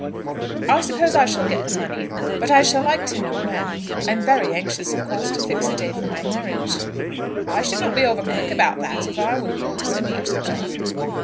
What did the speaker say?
"I suppose I shall get the money, but I shall like to know when. I am very anxious, of course, to fix a day for my marriage." "I should not be over quick about that, if I were you," said Parson John.